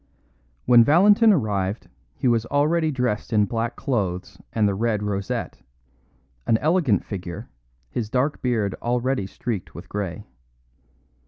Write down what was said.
When Valentin arrived he was already dressed in black clothes and the red rosette an elegant figure, his dark beard already streaked with grey.